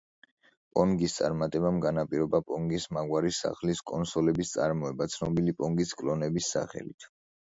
პონგის წარმატებამ განაპირობა პონგის მაგვარი სახლის კონსოლების წარმოება, ცნობილი პონგის კლონების სახელით.